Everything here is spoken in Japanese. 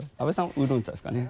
ウーロン茶ですかね？